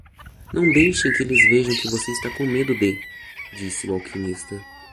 "Não deixe que eles vejam que você está com medo de?", disse o alquimista.